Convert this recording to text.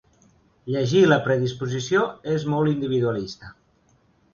Llegir la predisposició és molt individualista.